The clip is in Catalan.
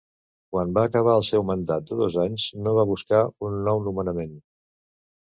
Quan va acabar el seu mandat de dos anys, no va buscar un nou nomenament.